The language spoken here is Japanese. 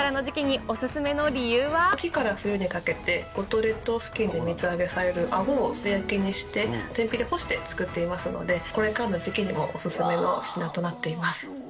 秋から冬にかけて、五島列島付近で水揚げされるあごを素焼きにして、天日に干して作っていますので、これからの時期にもお勧めの品となっています。